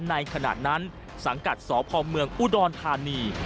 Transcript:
ในขณะนั้นสังกัดสพเมืองอุดรธานี